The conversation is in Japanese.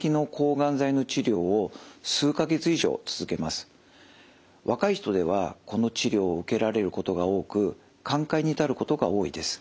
基本的には若い人ではこの治療を受けられることが多く寛解に至ることが多いです。